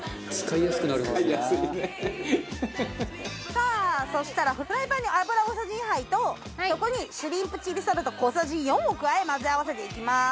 さあそしたらフライパンに油大さじ２杯とそこにシュリンプチリソルト小さじ４を加え混ぜ合わせていきます。